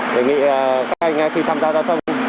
đề nghị các anh khi tham gia giao thông